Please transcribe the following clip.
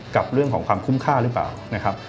กับเรื่องของความคุ้มค่าหรือเปล่านะครับ